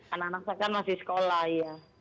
anak anak saya kan masih sekolah ya